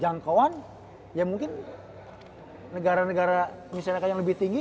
jangkauan ya mungkin negara negara misalnya yang lebih tinggi